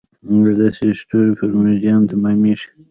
دا د سټیونز پر زیان تمامېږي.